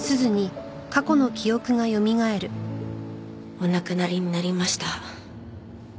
お亡くなりになりました。